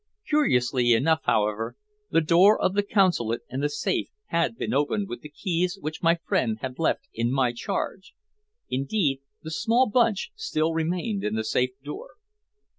Curiously enough, however, the door of the Consulate and the safe had been opened with the keys which my friend had left in my charge. Indeed, the small bunch still remained in the safe door.